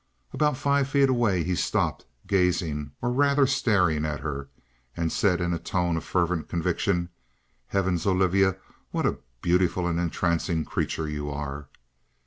About five feet away he stopped, gazing, or rather staring, at her, and said in a tone of fervent conviction: "Heavens, Olivia! What a beautiful and entrancing creature you are!"